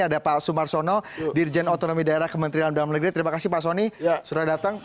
ada pak sumarsono dirjen otonomi daerah kementerian dalam negeri terima kasih pak soni sudah datang